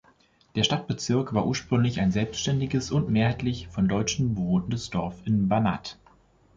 Der Stadtbezirk war ursprünglich ein selbständiges und mehrheitlich von Deutschen bewohntes Dorf im Banat.